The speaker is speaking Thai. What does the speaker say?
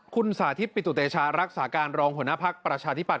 คุณสาธิตปิตุเตชารักษาการรองหัวหน้าภักดิ์ประชาธิปัต